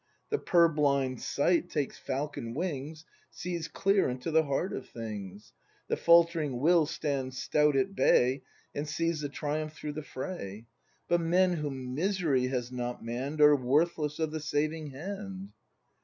The purblind sight takes falcon wings, Sees clear into the heart of things. The faltering will stands stout at bay. And sees the triumph through the fray. But men whom misery has not mann'd Are worthless of the saving hand!